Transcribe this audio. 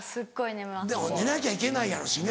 寝なきゃいけないやろうしね。